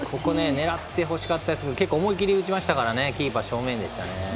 狙ってほしかったですけど思い切り打ちましたからキーパー正面でしたね。